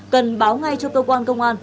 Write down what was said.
cần báo ngay cho cơ quan công an